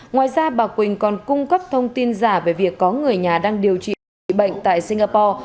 ngoài ra bà quỳnh còn cung cấp thông tin giả về việc có người nhà đang điều trị trị bệnh tại singapore